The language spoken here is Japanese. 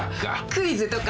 クイズとか。